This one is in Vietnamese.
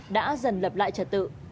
đã dần lập lại trật tự